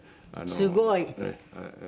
すごい。